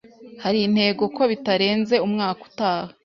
Hari intego ko bitarenze umwaka utaha